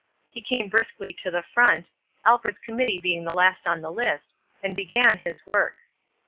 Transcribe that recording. He came briskly to the front, Alfred's committee being the last on the list, and began his work.